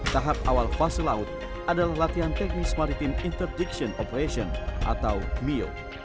tahap awal fase laut adalah latihan teknis maritim interdiction operation atau mio